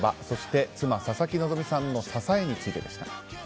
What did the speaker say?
そして、妻・佐々木希さんの支えについてでした。